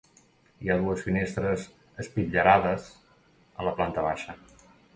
Hi ha dues finestres espitllerades a la planta baixa.